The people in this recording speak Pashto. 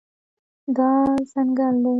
دا ځنګل دی